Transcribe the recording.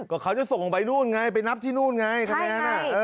ก็เขาจะส่งไปนู่นไงไปนับที่นู่นไงคะแนน